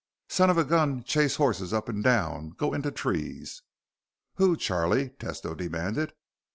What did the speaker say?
"Son of a gun chase horses up and down. Go into trees." "Who, Charlie?" Tesno demanded.